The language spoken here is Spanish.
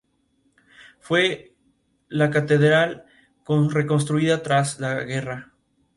Benny Andersson ha creado la música para sus película varias veces.